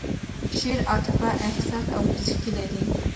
شعر عاطفه، احساس او موسیقي لري.